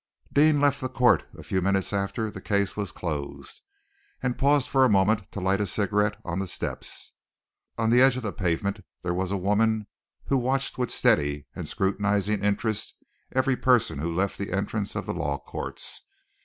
Deane left the court a few minutes after the case was closed, and paused for a moment to light a cigarette on the steps. On the edge of the pavement there was a woman who watched with steady and scrutinizing interest every person who left the entrance of the Law Courts.